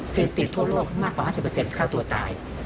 เสพติดทั่วโลกมากกว่า๕๐ฆ่าตัวตาย